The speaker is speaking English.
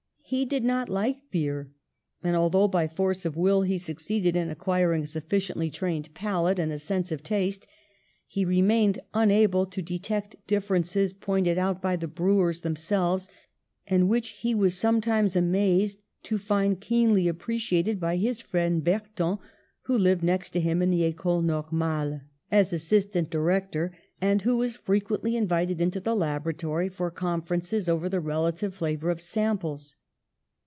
He did not like beer, and, although by force of will, he succeeded in acquiring a sufficiently trained palate and sense of taste, he remained unable to detect differences pointed out by the brewers themselves, and which he was sometimes amazed to find keenly appre ciated by his friend Bertin, who lived next to him in the Ecole Normale (as assistant direc THE SPIRIT OF PATRIOTISM 111 tor), and who was frequently invited into the laboratory for conferences over the relative flavour of samples.